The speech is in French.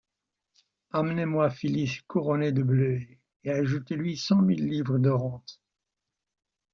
Amenez-moi Philis couronnée de bleuets et ajoutez-lui cent mille livres de rente.